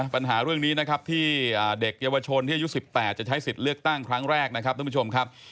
ปัญหาเรื่องนี้นะครับที่เด็กเยาวชนที่อายุ๑๘จะใช้สิทธิ์เลือกตั้งครั้งแรกนะครับท่านผู้ชมครับ